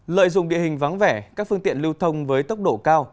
lợi dụng địa hình vắng vẻ các phương tiện lưu thông với tốc độ cao